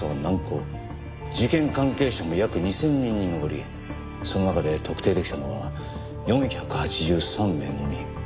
事件関係者も約２０００人に上りその中で特定できたのは４８３名のみ。